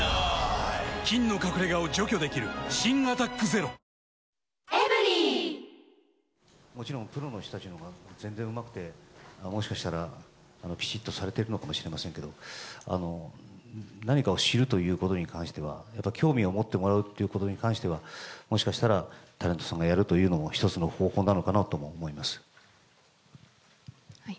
菌の隠れ家を除去できる新「アタックＺＥＲＯ」もしかしたらきちっとされてるのかもしれませんけど、何かを知るということに関しては、やっぱり興味を持ってもらうということに関しては、もしかしたら、タレントさんがやるというのも一つの方法なのかなとも思います。